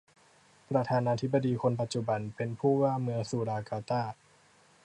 ประธานาธิปดีคนปัจจุบัน เป็นผู้ว่าเมืองสุราการ์ตา